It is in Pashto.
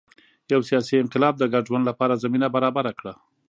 یو سیاسي انقلاب د ګډ ژوند لپاره زمینه برابره کړه.